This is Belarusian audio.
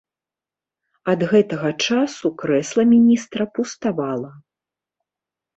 Ад гэтага часу крэсла міністра пуставала.